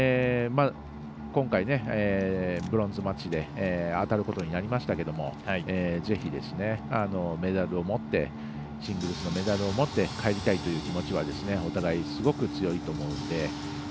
今回、ブロンズマッチで当たることになりましたけどお互いシングルスのメダルを持って帰りたいという気持ちはお互い、すごく強いと思うので。